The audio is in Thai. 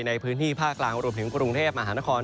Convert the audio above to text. ในพื้นที่ภาคกลางรวมถึงกรุงเทพมหานคร